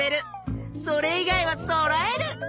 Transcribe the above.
それ以外はそろえる！